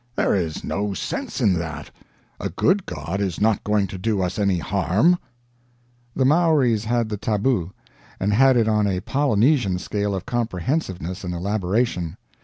There is no sense in that. A good god is not going to do us any harm." The Maoris had the tabu; and had it on a Polynesian scale of comprehensiveness and elaboration.